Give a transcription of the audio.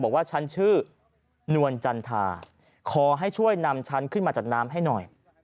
บอกว่าฉันชื่อนวลจันทาขอให้ช่วยนำฉันขึ้นมาจากน้ำให้หน่อย